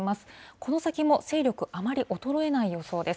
この先も勢力あまり衰えない予想です。